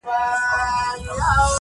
ستا دردونه خو کټ مټ لکه شراب دي,